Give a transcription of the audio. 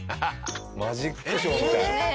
マジックショーみたい。